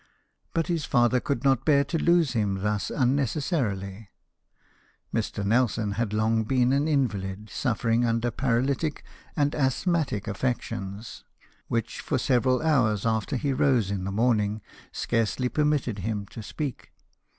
But his father could not bear to lose him thus unne cessarily. Mr. Nelson had long been an invalid, suffering under paralytic and asthmatic affections which, for several hours after he rose in the morning, scarcely permitted him to speak.